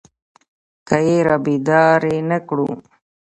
که يې رابيدارې نه کړو.